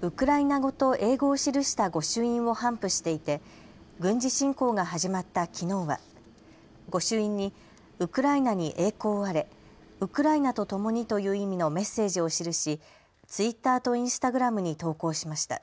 ウクライナ語と英語を記した御朱印を頒布していて軍事侵攻が始まったきのうは御朱印にウクライナに栄光あれ、ウクライナとともにという意味のメッセージを記しツイッターとインスタグラムに投稿しました。